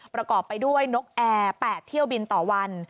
ประกอบไปด้วยนกแอร์๘เที่ยวบินต่อวัน